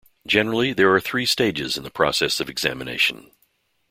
Generally, there are three stages in the process of examination.